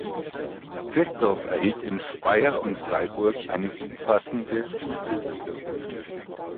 Christoph erhielt in Speyer und Freiburg eine umfassende Schulbildung.